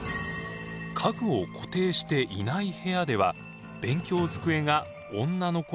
家具を固定していない部屋では勉強机が女の子に倒れてきました。